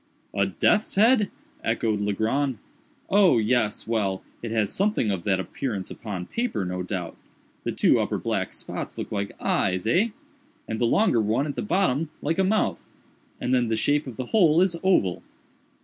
"A death's head!" echoed Legrand. "Oh—yes—well, it has something of that appearance upon paper, no doubt. The two upper black spots look like eyes, eh? and the longer one at the bottom like a mouth—and then the shape of the whole is oval."